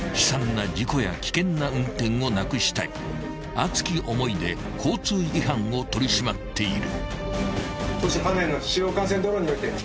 ［熱き思いで交通違反を取り締まっている］